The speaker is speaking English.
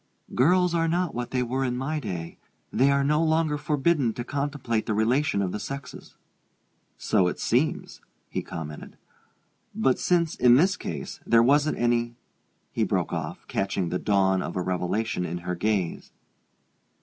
"Girls are not what they were in my day; they are no longer forbidden to contemplate the relation of the sexes." "So it seems!" he commented. "But since, in this case, there wasn't any " he broke off, catching the dawn of a revelation in her gaze.